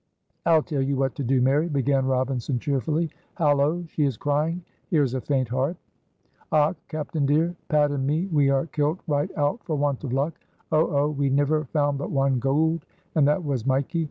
"I'll tell you what to do, Mary," began Robinson, cheerfully. "Hallo! she is crying. Here is a faint heart." "Och! captain dear, Pat an' me we are kilt right out for want of luck. Oh! oh! We niver found but one gould and that was mikee.